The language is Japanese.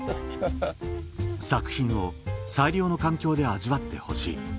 作品を最良の環境で味わってほしい